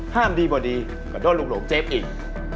ห้ามดิบอดดิก็เดินหลุงโหลงเจฟอีก